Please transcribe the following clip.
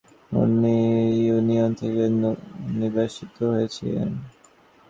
তিনি রাশিয়া এবং পরে সোভিয়েত ইউনিয়ন থেকে নির্বাসিত হয়েছিলেন।